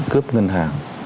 cướp ngân hàng